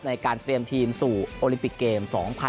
ในการเตรียมทีมสู่โอลิมปิกเกม๒๐๑๖